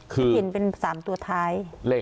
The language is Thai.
คือ